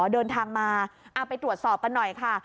เดินทางมาเอาไปตรวจสอบกันหน่อยค่ะ